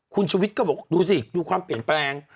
คุณชุวิตก็บอกดูสิดูความเปลี่ยนแปลง